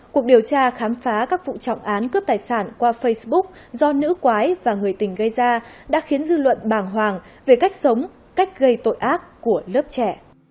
cuộc điều tra khám phá các vụ trọng án cướp tài sản qua facebook do nữ quái và người tình gây ra đã khiến dư luận bàng hoàng về cách sống cách gây tội ác của lớp trẻ